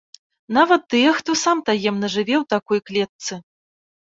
Нават тыя, хто сам таемна жыве ў такой клетцы.